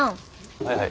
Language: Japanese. はいはい。